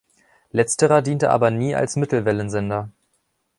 Letzterer diente aber nie als Mittelwellensender.